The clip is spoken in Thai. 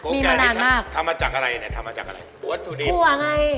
มีมานานมากไงนี้ทำมาจากอะไรเนี่ยทำมาจากอะไร